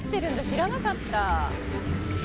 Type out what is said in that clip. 知らなかった。